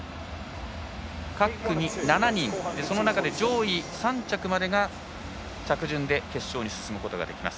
各組７人でその中で上位３着までが着順で決勝に進むことができます。